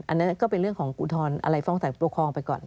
อันนั้นก็เป็นเรื่องของอุทรอะไรฟองสัตว์ตัวคลองไปก่อน